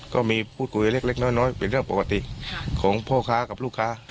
ก็มีพูดคุยเล็กน้อยเป็นเรื่องปกติของพ่อค้ากับลูกค้า